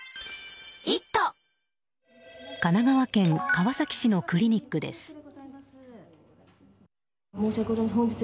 神奈川県川崎市のクリニックです。